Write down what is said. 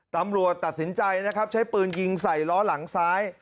ตำรวจตัดสินใจนะครับใช้ปืนยิงใส่ล้อหลังซ้าย